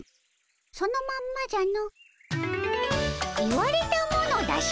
そのまんまじゃの。